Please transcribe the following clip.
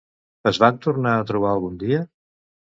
Es van tornar a trobar algun dia?